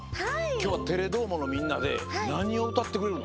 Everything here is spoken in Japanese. きょうは「テレどーも！」のみんなでなにをうたってくれるの？